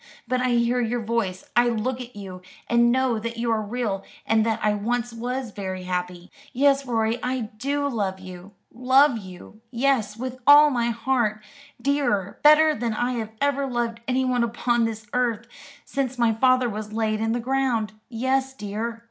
But I hear your voice, I look at you, and know that you are real, and that I once was very happy. Yes, Rorie, I do love you love you yes, with all my heart, dearer, better than I have ever loved anyone upon this earth, since my father was laid in the ground. Yes, dear."